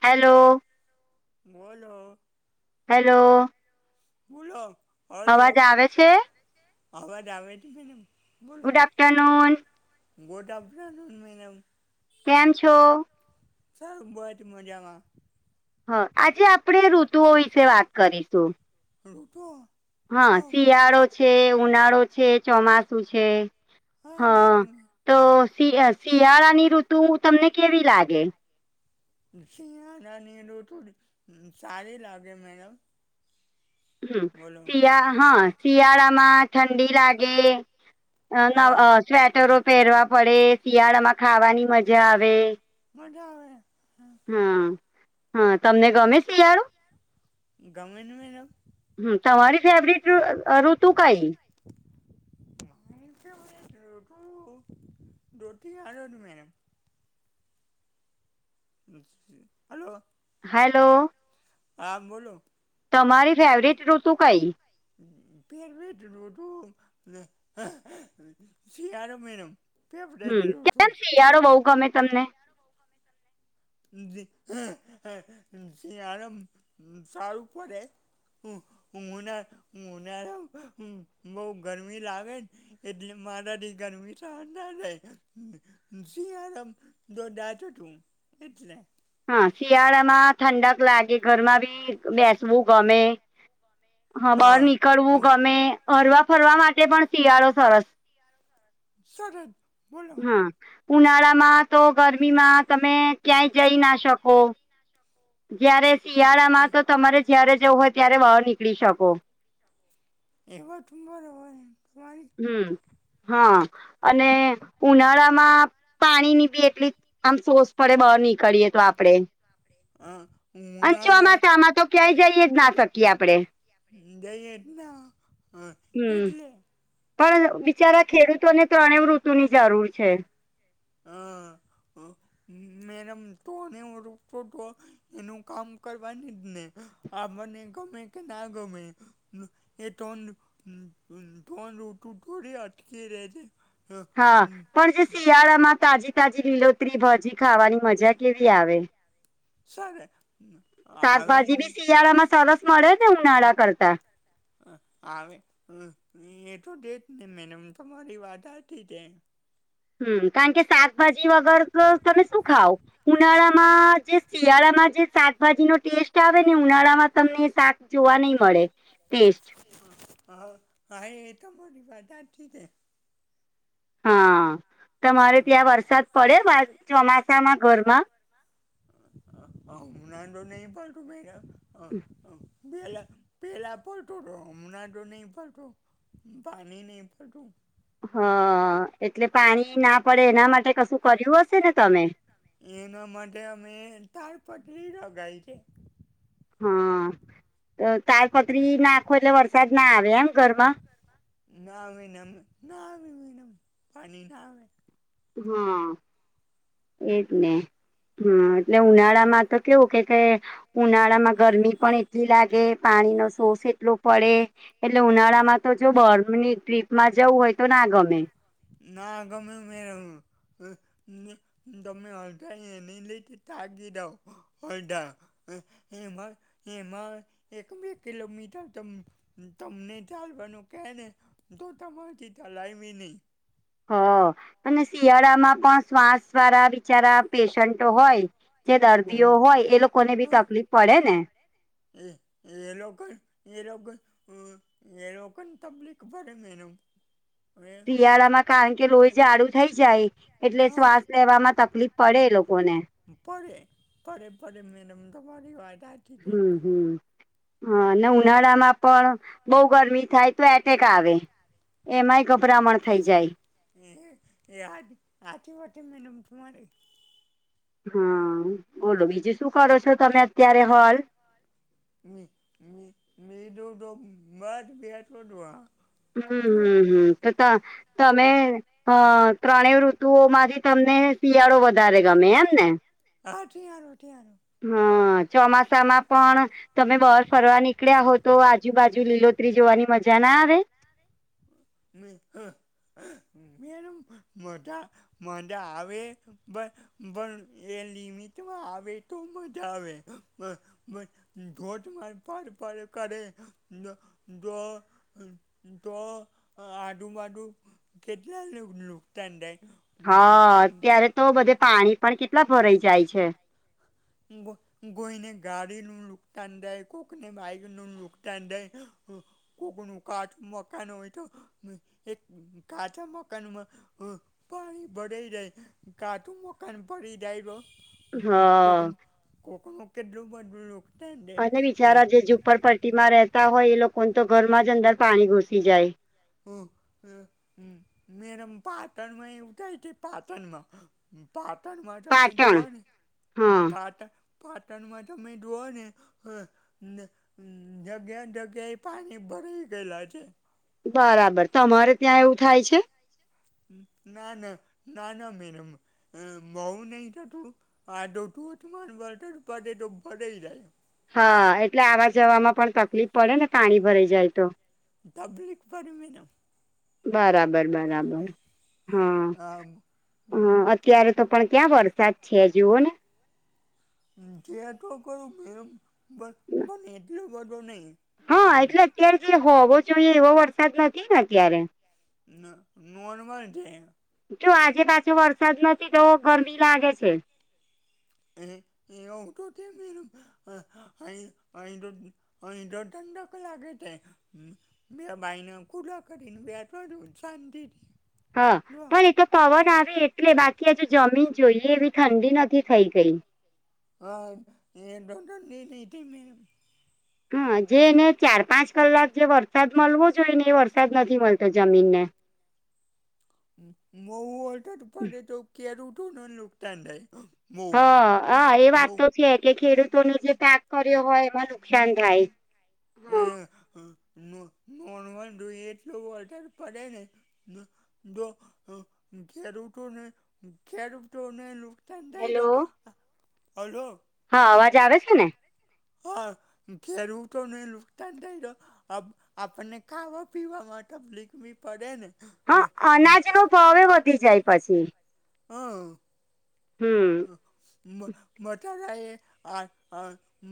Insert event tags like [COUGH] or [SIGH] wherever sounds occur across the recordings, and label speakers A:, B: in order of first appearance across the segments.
A: Hello.
B: બોલો.
A: Hello.
B: બોલો hello
A: અવાજ આવે છે
B: અવાજ આવે છે મેડમ. બોલો
A: good afternoon
B: good afternoon madam.
A: કેમ છો?
B: ચાલ બટ મજામાં.
A: હ આજે આપળે ઋતુઓ વિશે વાત કરીશું.
B: હલો તો.
A: હ શિયાળો છે ઉનાળો છે ચોમાસુ છે. હ
B: હા બોલો
A: તો શિય શિયાળાની ઋતુ તમને કેવી લાગે?
B: શિયારાની ઋતુ અ સારી લાગે મેડમ.
A: હમ
B: બોલો
A: શિયા હા શિયાળામાં ઠંડી લાગે. હ નવ અ
B: હા
A: સ્વેટરો પેરવા પળે શિયાળામાં ખાવાની મજા આવે.
B: મજા આવે હા.
A: હં હં તમને ગમે શિયાળુ?
B: ગમે ન મેડમ.
A: હમ્મ તમારી ફેવરિટ અ ઋતુ કઈ?
B: [INAUDIBLE] મારી ફેવરિટ રીતુ [UNINTELLIGIBLE] હલો.
A: હાલો.
B: હા બોલો.
A: તમારી ફેવરિટ ઋતુ કઈ?
B: ફેવરિટ ઋતુ [UNINTELLIGIBLE] શિયાળો મેડમ. ફેફડાટ
A: હમ્મ,
B: હતું
A: કેમ શિયાળો બોવ ગમે તમને?
B: [UNINTELLIGIBLE] [UNINTELLIGIBLE] શિયાળામ શારુ પડે. ઉના ઉનાળામાં બહુ ગરમી લાગે ને એટલે મારાથી ગરમી સહન ના થાય શિયાળામ [UNINTELLIGIBLE] એટલે.
A: હા શિયાળામાં ઠંડક લાગે ઘરમાં બી બેસવું ગમે. હ બહાર
B: હા
A: નીકળવું
B: હું
A: ગમે ફરવા ફરવા માટે પણ શિયાળો સરસ.
B: સરદ.
A: હ ઉનાળામાં તો ગરમીમાં તમે ક્યાંય જઈ ના શકો. જયારે
B: એ
A: શિયાળામાં તો તમારે જયારે જવું હોય ત્યારે બહાર નીકળી શકો.
B: એ વાત બરોબર તમારી
A: હમ્મ હા અને ઉનાળામાં પાણીની બી એટલી આમ સોર્સ પડે બહાર નીકળીએ તો આપડે.
B: હા
A: અન
B: ઉનાળા
A: ચોમાસામાં તો ક્યાંય જઈએ જ ના શકીએ આપડે.
B: જઈએ જ ના
A: હમ
B: એટલે.
A: પણ બિચારા ખેડૂતોને ત્રણેય ઋતુની જરૂર છે.
B: હા મેડમ ત્રણેય ઋતુ તો એનું કામ કરવાની જ ને આપને ગમે કે ના ગમે. એ ત્રણ, ત્રણ ઋતુ થોડી અટકી રે છે
A: હા પણ જે શિયાળામાં તાજી તાજી લીલોતરી ભાજી ખાવાની મજા કેવી આવે?
B: સરે હમ્મ
A: શાકભાજી બી શિયાળામાં સરસ મળે ને ઉનાળા કરતા.
B: હ આવે હ એ તો દે જ ને મેનેમ તમારી વાત હાચી તે
A: હમ્મ, કારણ કે શાકભાજી વગર તો તમે શું ખાવ ઉનાળામાં જે શિયાળામાં જે શાકભાજીનો ટેસ્ટ આવે ને ઉનાળામાં તમને શાક જોવા નય
B: હ હા એ તમારી વાત હાચી છે.
A: હા તમારે ત્યાં વરસાદ પડે બાર ચોમાસામાં ઘરમાં
B: [UNINTELLIGIBLE] પેલા પેલાં પલટું તું હમણાં તો નહીં પલતું. પાણી નઈ પડતું.
A: હ એટલે પાણી ના પડે એના માટે કશું કર્યું હશે ને તમે?
B: એના માટે અમે તાલપટલી લગાયી તી.
A: હ તાલપત્રી નાખો એટલે વરસાદના આવે એમ ઘર
B: નાવીનમ ના આવે મેડમ પાણી ના નાવે.
A: હા એજ ને હા એટલે ઉનાળામાં તો કેવું કે કે ઉનાળામાં ગરમી પણ એટલી લાગે પાણીનો સોર્સ એટલો પડે એટલે ઉનાળામાં તો જો બર્મની ટ્રીપમાં જવું હોય તો ના ગમે
B: ના ગમે મેંમ. [UNINTELLIGIBLE] હ એ માર એમા, એક બે કિલોમીટર તમ, તમને ચાલવાનું કેને તો તમારી તી તલાય ભી ની
A: હ, અને શિયાળામાં પણ શ્વાસ વારા બિચારા પેશન્ટો હોય જે દર્દીઓ
B: હમ્મ
A: હોય, એ લોકોને બી
B: હા
A: તકલીફ પડેને.
B: એ એ લોકોક એ લોકોક હ ને લોકોને તબ્લીિક ભડે મેનમ
A: શિયાળામાં કારણ કે લોહી જાડુ થઈ જાય એટલે
B: હા
A: શ્વાસ લેવામાં તકલીફ પડે એ લોકોને
B: પરે પરે પરે, મેડમ તવારી વાદ હા
A: હમ્મ હમ્મ હા, અને ઉનાળામાં પણ બહું ગરમી થાય તો એટેક આવે. એમાંય, ગભરામણ થઈ જાય.
B: એ એ હા હાચી વાત છે, મેડમ તમારે.
A: હા, બોલો બીજું શું કરો છો, તમે અત્યારે હલ?
B: મે મે મે દો તો બાદ ગયાઠો દોવા
A: હમ્મ હમ્મ હમ્મ તો ત તમે અ ત્રણેય ઋતુઓમાંથી તમને શિયાળો વધારે ગમે એમ ને.
B: હા ઠિયારો ઠિયારો
A: હા, ચોમાસામાં પણ તમે બહાર ફરવા નીકળ્યા હો તો, આજુબાજુ લીલોતરી જોવાની મજા ના આવે?
B: મે હ, મેદમ મદા મદા આવે બ બણ એ લિમિતમાં આવે તો મજા આવે મ ધોધમાર પડ પડ કરે, તો ધો તો આદુબાદું કેટલા લુકનુ નુકતાન થાય? પાણી જાય
A: હા, અત્યારે તો બધે પાણી પણ કેટલા ભરાઈ જાય છે.
B: ગો કોઈને ગાડી નું નુકતાન દાય, કોકને બાઈક નું નુકતાણ દાય. કોક નું કાચું મકાન હોય તો, એક કાચા મકાનમાં હ પાણી ભરાઈ જાય કાચુ મકાન પડી જાય તો,
A: હ
B: કોક કોકનું કેટલું બધૂ લો
A: અને બિચારા જે ઝુંપડપટ્ટીમાં રહેતા હોય એ લોકોને તો ઘરમાં જ અંદર પાણી ઘૂસી જાય.
B: હો હ હમ મેડમ પાટણ માં એવુંય થાય છે પાટણમાં. પાટણમાં જમીન
A: પાટણ
B: જોવાની હમ
A: હા
B: પાટણ. [INAUDIBLE] [INAUDIBLE] પાટણમાં જમીન જોવાની હ. [INAUDIBLE] [INAUDIBLE] ને જગ્યા જગ્યા એ પાણી ભરાઈ ગયેલા છે.
A: બરાબર તમારે ત્યાં એવું થાય છે.
B: ના ન ના ન મેડમ. અ મોઉ નહી થતું ધોધમાર વરસાદ પાડે [UNINTELLIGIBLE] [INAUDIBLE] [INAUDIBLE] તો બધૂ પડેય જાય.
A: હા એટલે આવા જવામાં પણ તકલીફ પડે ને પાણી ભરાઈ જાય તો.
B: તકલીફ પડે મેડમ.
A: બરાબર બરાબર હા
B: હા
A: હા અત્યારે તો. પણ ક્યાં વરસાદ છે જુઓ ને.
B: છે તો ખરો મેડમ પણ પણ એટલો બધો નહિ.
A: હા એટલે અત્યારે હોવો જોઈએ એવો વરસાદ નથી ને અત્યારે.
B: ન નોર્મલ છે.
A: જો આજે પાછો વરસાદ નથી તો ગરમી લાગે છે.
B: એ એ ઓટો મે [UNINTELLIGIBLE] [INAUDIBLE] [INAUDIBLE] [INAUDIBLE] અય અય તો. અય તો ઠંડક લાગે છે. બે બારણાં ખુલા કરીને બેઠો છું શાંતિથિ.
A: હ. પણ એ તો પવન આવે એટલે બાકી અજુ જમીન જોઈએ, એવી ઠંડી નથી થઈ ગઈ.
B: અ અયતો ઠંડી ની તી મેમ.
A: હા. જે એને ચાર પાંચ-કલાક જે વરસાદ મલવો જોઈ ને, એ વરસાદ નથી મલતો જમીને.
B: બોવું વટછાદ પડે, તો ખેડૂતોનું નુકથાન થાય. બહુ
A: હ
B: બહુ
A: અ એ વાત
B: બહુ
A: તો છે કે, ખેડૂતોનો જે પાક કર્યો હોય એમાં નુકશાન થાય. હા
B: એ. નો નોર્મલ જોઈએ, એટલુ વયસાદ પદે ને. નો દો ખેડૂતોને ખેડૂતોને નુક ત તઈ
A: હેલો
B: ટ હલો.
A: હા, અવાજ આવે છે ને.
B: હા, ખેડૂતોને નુકથાન થાય તો આપ આપને ખાવા-પીવા માટે તપલીક બી પડે ને.
A: હ અનાજનો ભાવે વધી જાય પછી.
B: હઅઅ.
A: હમ્મ.
B: મ મટારા એ આ અ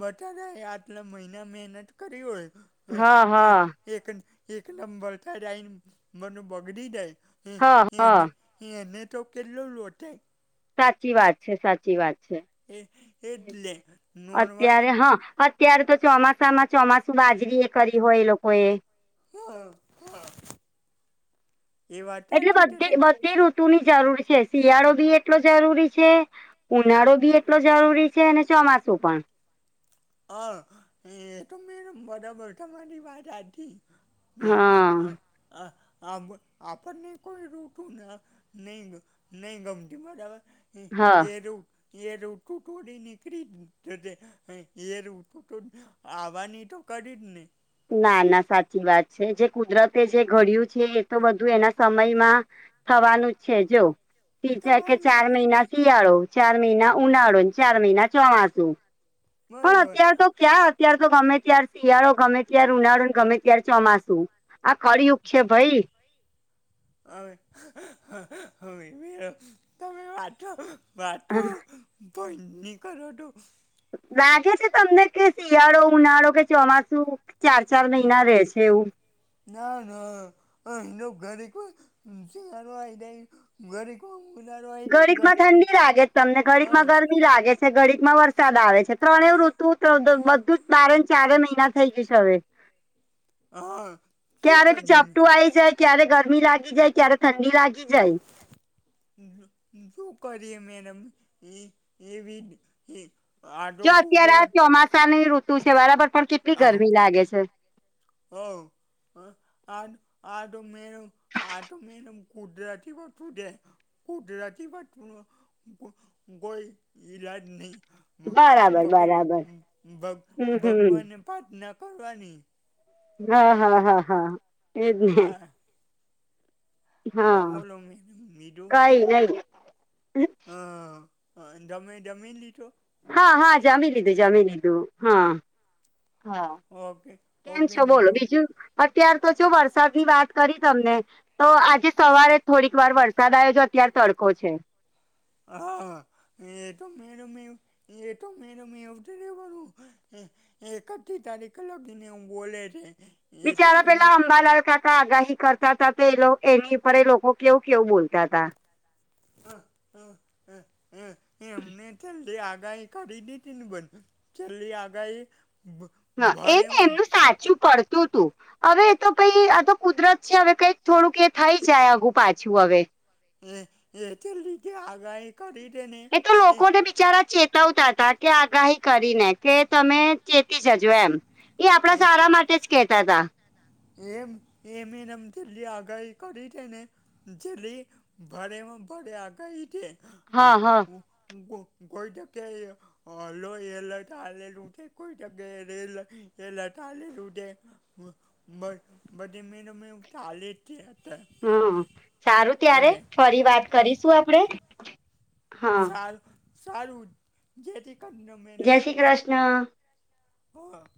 B: બટારાએ આટલા મઈના મેનત કરી ઓય. હ
A: હા હા
B: એક એક એક લંબર તડાઈન મનુ બગડી જાય. એ
A: હા હા
B: એને એને તો કેટલો લોડ થાય.
A: સાચી વાત છે, સાચી વાત છે.
B: એ એટલે નોર્મલી
A: અત્યારે હ અત્યારે તો ચોમાસામાં ચોમાસુ બાજરી એ કરી હોય એ લોકો એ.
B: હ હ.
A: એટલે
B: છે
A: બધી જ
B: તમ
A: બધી ઋતુની જરૂર છે, શિયાળો બી એટલો જરૂરી છે. ઉનાળો બી એટલો જરૂરી છે, ને ચોમાસું પણ.
B: અ એ તો મેયમ બરાબર, તમારી વાત હાતી.
A: હા
B: અ અ આ આપ આપણને કોઈ રોતું ન નીય નય ગમટી બરાબર.
A: હા
B: [UNINTELLIGIBLE] એરટું તો [UNINTELLIGIBLE] આવાની તો કરી જ ને.
A: ના ના સાચી વાત છે, જે કુદરતે જે ઘડ્યું છે એતો બધું એના સમયમાં થવાનું છે જો, ત્રીજા કે
B: થવાનું
A: ચાર
B: છે
A: મહિના શિયાળો, ચાર મહિના ઉનાળો, ન ચાર મહિના ચોમાસું. પણ
B: બરાબર
A: અત્યાર તો ક્યાં અત્યારતો ગમે ત્યાર શિયાળો ગમે ત્યાર ઉનાળુ ન ગમે ત્યાર ચોમાસું. આ કળયુગ છે ભઈ
B: હવે હ હવે તમે હો આતો વાતો ધોઈ ની કરોટો
A: લાગે છે, તમને કે શિયાળો, ઉનાળો કે ચોમાસું ચા ચાર મહિના રહેસે એવું?
B: ના ના [UNINTELLIGIBLE] ઘરી કો ઉનાળો આઈ જાય, ઘરી કોણ હ
A: મી લાગે છે, ઘડીકમાં વરસાદ આવે છે, ત્રણે ઋતુ દત બધું જ બારે ન ચારે મહિના થઈ જશે હવે.
B: હા શું
A: ક્યારે બી
B: કરીએ
A: ઝાપટું આવી જાય, ક્યારે ગરમી લાગી જાય, ક્યારે ઠંડી લાગી જાય
B: [INAUDIBLE] જો કરીયે મેડમ એ એવી આ તો કુ કરાટત
A: સની ઋતુ છે વારાફરતી પણ એમ કેટલી ગરમી લાગે છે.
B: હો હ આ આ તો મેડમ આ તો મેડમ કુદરતી વસ્તુ છે. કુદરતી વસ્તુનો કોઈ ઇલાજ નહી.
A: બરાબર બરાબર
B: ભ
A: હમ હમ
B: ભગવાનને પ્રાર્થના કરવાની.
A: હા હા હા હા એજ ને
B: હા હા બોલો મેડમ મીધું.
A: કઈ નઈ
B: હ તમે જમી લીધો?
A: હા હા જમી લીધું જમી લીધું હા હા
B: ઓકે
A: -કેમ
B: ઓકે
A: છો બોલો બીજું? અત્યાર તો જો વરસાદની વાત કરી તમને તો આજે સવારે થોડીક વાર વરસાદ આવ્યો જો અત્યાર તડકો છે.
B: હા એતો મેડમ એવું. એતો મેડમ એવું તો રેવાનું એકઠી તારીખ લગીને એવું બોલે રેહ
A: બચારા પેલા અંબાલાલકાકા આગાહી કરતા તા તો એ એની ઉપરએ લોકો કેવું- કેવું બોલતા તા
B: હ હ હ એમને જલ્દી આગાહી કરી તી તીન બન -છેલ્લી આગાહી એ
A: એ ને એમનું સાચું પડતું તું હવે તો પઇ આતો કુદરત છે હવે કંઈક થોડુંક એ થઈ જાય આઘું પાછું હવે
B: રે રે રે તે લીધે આગાહી કરી દેને
A: એ તો લોકોને બિચારા ચેતવતા હતા કે આગાહી કરીને કે તમે ચેતી જજો એમ. એ આપડા સારા માટે જ કેતા તા.
B: એમ એમ તે છેલ્લી આગાહી કરી છેને જલી ભારેમાં ભારે આગાહી છે [INAUDIBLE]
A: હા હા
B: હલો એલર્ટ આલેલુ છે કોઈ જગ્યાએ રેલ એલર્ટ આલેલું છે બધી [UNINTELLIGIBLE] ચાલે છે અત્યારે
A: હમમ સારું ત્યારે
B: બધે
A: ફરી વાત કરીશું આપડે હા
B: સારું સારું જય શ્રી કૃષ્ડમ
A: જય શ્રી કૃષ્ણ
B: હોવ